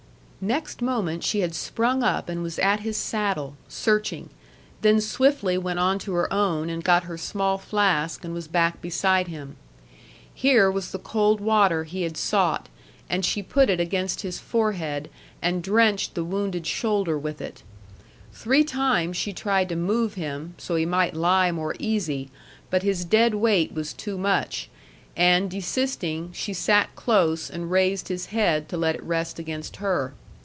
Next moment she had sprung up and was at his saddle, searching, then swiftly went on to her own and got her small flask and was back beside him. Here was the cold water he had sought, and she put it against his forehead and drenched the wounded shoulder with it. Three times she tried to move him, so he might lie more easy, but his dead weight was too much, and desisting, she sat close and raised his head to let it rest against her.